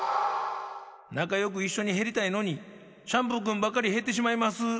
「なかよくいっしょにへりたいのにシャンプーくんばっかりへってしまいます」やて。